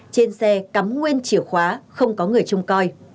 trên xe cắm nguyên chìa khóa không có người trông coi